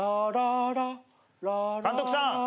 監督さん！